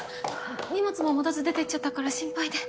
荷物も持たず出ていっちゃったから心配で。